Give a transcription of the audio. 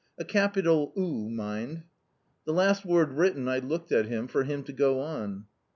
] a capital U, mind." The last word written, I looked at him, for him to go on.